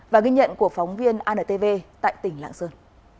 và ghi nhận của phóng viên antv tại tỉnh lạng sơn